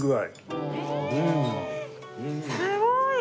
すごい！